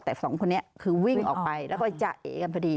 แต่สองคนนี้คือวิ่งออกไปแล้วก็จ้าเอกันพอดี